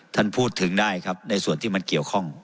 ท่านพูดถึงได้ครับในส่วนที่มันเกี่ยวข้อง